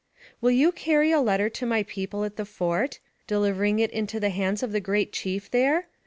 "Will you carry a letter to my people at the fort, delivering it into the hands of the great chief there